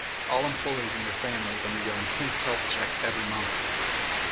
All employees and their families undergo intense health checks every month.